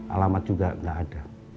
alamat juga nggak ada